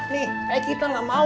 nih kayak kita gak mau